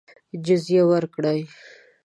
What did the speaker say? جزیه ورکړي.